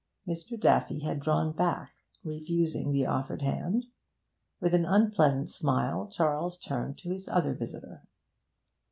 Mr. Daffy had drawn back, refusing the offered hand. With an unpleasant smile Charles turned to his other visitor.